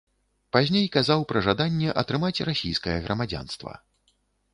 Пазней казаў пра жаданне атрымаць расійскае грамадзянства.